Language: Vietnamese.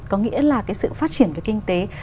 có nghĩa là cái sự phát triển về kinh tế